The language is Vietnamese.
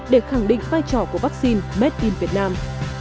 để khẳng định vai trò của vắc xin made in việt nam